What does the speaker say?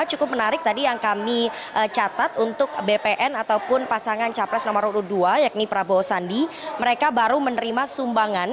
cukup menarik tadi yang kami catat untuk bpn ataupun pasangan capres nomor urut dua yakni prabowo sandi mereka baru menerima sumbangan